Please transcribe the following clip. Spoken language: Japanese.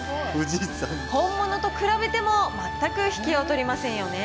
本物と比べても、全く引けを取りませんよね。